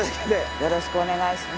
よろしくお願いします。